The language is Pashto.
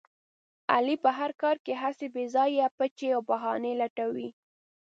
علي په هر کار کې هسې بې ځایه پچې او بهانې لټوي.